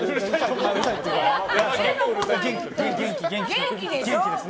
元気、元気です。